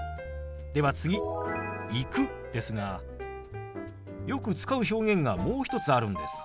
では次「行く」ですがよく使う表現がもう一つあるんです。